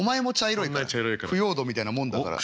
腐葉土みたいなもんだから。